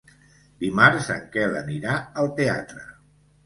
Dimarts en Quel anirà al teatre.